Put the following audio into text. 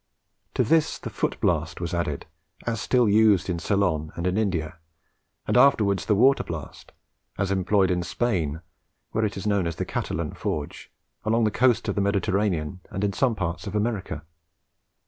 To this the foot blast was added, as still used in Ceylon and in India; and afterwards the water blast, as employed in Spain (where it is known as the Catalan forge), along the coasts of the Mediterranean, and in some parts of America.